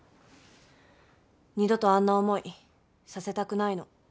二度とあんな思いさせたくないの。